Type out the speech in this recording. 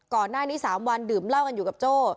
ก่อนหน้านี้๓วันดื่มเหล้ากันอยู่กับโจ้